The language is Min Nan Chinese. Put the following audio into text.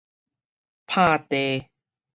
鬆地